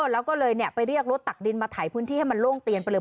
แล้วก็เลยไปเรียกรถตักดินมาถ่ายพื้นที่ให้มันโล่งเตียนไปเลย